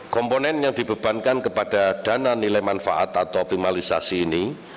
komponen yang dibebankan kepada dana nilai manfaat atau optimalisasi ini